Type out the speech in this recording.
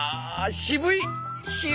渋い！